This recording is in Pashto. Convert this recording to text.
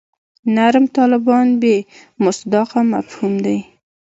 نرم طالبان بې مصداقه مفهوم دی.